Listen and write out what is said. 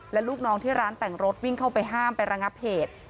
และลูกน้องที่ร้านแต่งรถวิ่งเข้าไปห้ามไประงับเหตุ